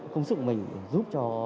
công sức của mình giúp cho